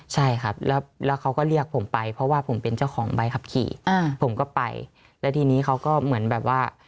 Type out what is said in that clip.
ใช่ครับแล้วเขาก็เรียกผมไปเพราะว่าผมเป็นเจ้าของใบขับขี่ผมก็ไปแล้วทีนี้เขาก็เหมือนแบบว่า